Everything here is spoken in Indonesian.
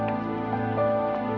nanti bu mau ke rumah